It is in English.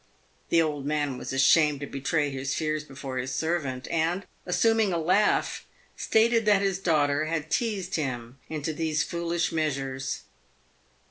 The old man was ashamed to betray his fears before his servant, and, assuming a laugh, stated that his daughter had teased him into these foolish measures.